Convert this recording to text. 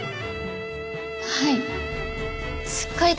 はい。